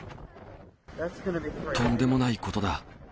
とんでもないことだ。